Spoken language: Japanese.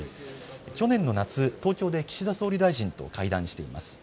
去年の夏、東京で岸田総理大臣と会談しています。